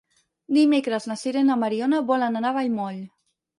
Dimecres na Sira i na Mariona volen anar a Vallmoll.